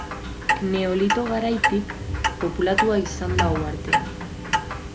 Neolito garaitik populatua izan da uhartea.